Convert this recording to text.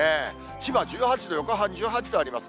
千葉１８度、横浜１８度あります。